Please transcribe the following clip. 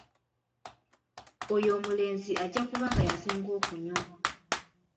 Oyo omulenzi ajja kuba nga yasinga okunywa.